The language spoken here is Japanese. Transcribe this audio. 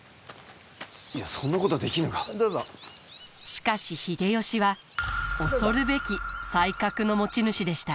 しかし秀吉は恐るべき才覚の持ち主でした。